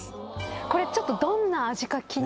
これちょっと。